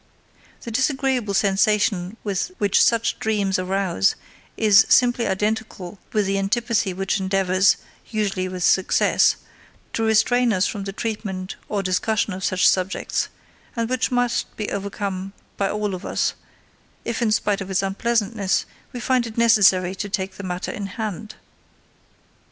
The disagreeable sensation which such dreams arouse is simply identical with the antipathy which endeavors usually with success to restrain us from the treatment or discussion of such subjects, and which must be overcome by all of us, if, in spite of its unpleasantness, we find it necessary to take the matter in hand.